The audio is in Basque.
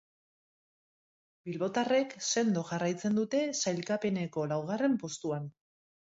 Bilbotarrek sendo jarraitzen dute sailkapeneko laugarren postuan.